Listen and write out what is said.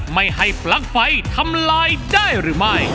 ไม่ให้ปลั๊กไฟทำลายได้หรือไม่